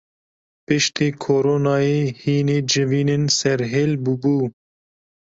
Piştî koronayê hînî civînên serhêl bûbû.